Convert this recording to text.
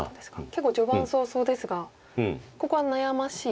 結構序盤早々ですがここは悩ましい。